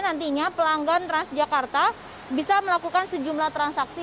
nantinya pelanggan transjakarta bisa melakukan sejumlah transaksi